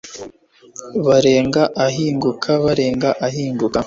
barenga ahinguka barenga ahinguka